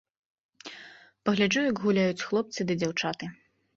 Пагляджу, як гуляюць хлопцы ды дзяўчаты!